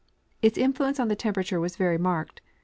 Its influence on the temperature was very marked.